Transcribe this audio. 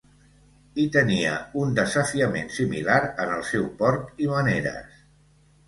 I tenia un desafiament similar en el seu port i maneres.